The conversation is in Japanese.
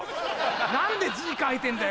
何で字書いてんだよ！